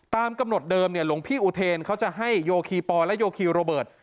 ตามกำหนดเดิมหลวงพี่อุเทนเขาจะให้โยคีปอลและโยคีโรเบิร์ต